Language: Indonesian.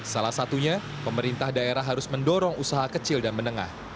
salah satunya pemerintah daerah harus mendorong usaha kecil dan menengah